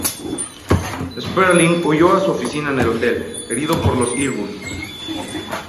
Sperling huyó a su oficina en el hotel, herido por los Irgún.